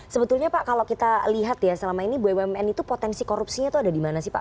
sebetulnya pak kalau kita lihat ya selama ini bumn itu potensi korupsinya itu ada di mana sih pak